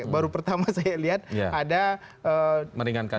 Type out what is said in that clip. baru pertama saya lihat ada meringankan